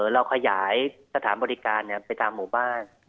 เราขยายสถานบริการไปตามหมู่บ้าน